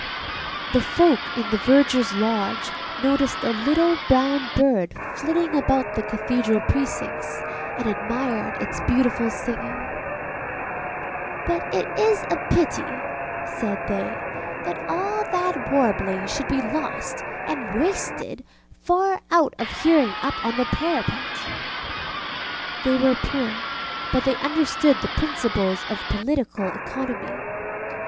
ŌĆØ The folk in the vergerŌĆÖs lodge noticed a little brown bird flitting about the Cathedral precincts, and admired its beautiful singing. ŌĆ£But it is a pity, ŌĆØ said they, ŌĆ£that all that warbling should be lost and wasted far out of hearing up on the parapet. ŌĆØ They were poor, but they understood the principles of political economy.